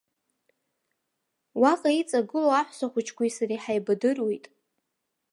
Уаҟа иҵагылоу аҳәсахәыҷқәеи сареи ҳаибадыруеит.